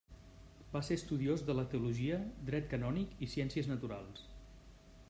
Va ser estudiós de la teologia, dret canònic i ciències naturals.